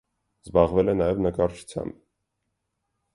Զբաղվել է նաև նկարչությամբ։